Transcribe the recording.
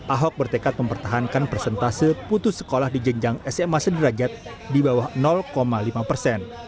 ahok bertekad mempertahankan persentase putus sekolah di jenjang sma sederajat di bawah lima persen